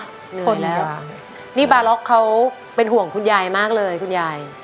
หนึ่งคนแล้วนี่บาล็อกเขาเป็นห่วงคุณยายมากเลยคุณยาย